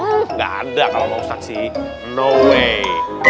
nggak ada kalau mau ustadz sih no way